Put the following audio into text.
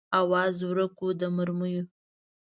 آواز ورک و د مرمیو